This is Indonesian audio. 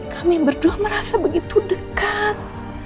kami berdua merasa begitu dekat